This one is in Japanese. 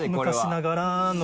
昔ながらの。